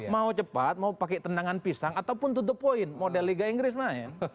mau cepat mau pakai tendangan pisang ataupun to the point model liga inggris main